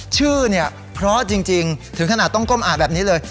ชื่อเนี่ยเพราะจริงถึงขนาดต้องก้มอ่านแบบนี้เลย